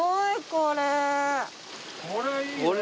これいいね。